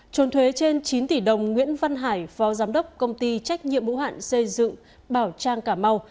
trồn thuế trên chín tỷ đồng nguyễn văn hải phó giám đốc công ty trách nhiệm bũ hạn xây dựng bảo trang cà mau